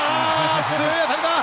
強い当たりだ。